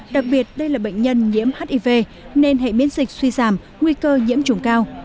đặc biệt đây là bệnh nhân nhiễm hiv nên hệ biến dịch suy giảm nguy cơ nhiễm chủng cao